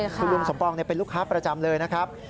คุณลุงสมปองเป็นลูกค้าประจำเลยนะครับ